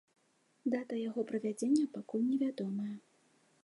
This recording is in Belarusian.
Дата яго правядзення пакуль невядомая.